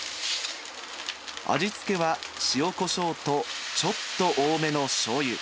味付けは塩こしょうとちょっと多めのしょうゆ。